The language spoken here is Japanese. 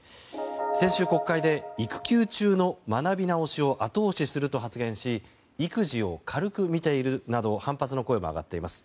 先週、国会で育休中の学び直しを後押しすると発言し育児を軽く見ているなど反発の声が上がっています。